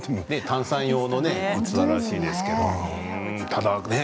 炭酸用のものらしいですけどね。